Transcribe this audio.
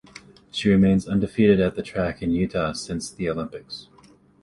She remains undefeated at the track in Utah since the Olympics.